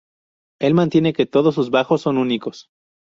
Él mantiene que todos sus bajos son únicos.